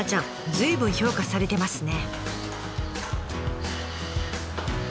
随分評価されてますね！